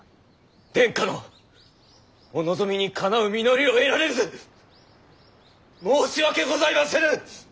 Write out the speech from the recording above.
殿下のお望みにかなう実りを得られず申し訳ございませぬ！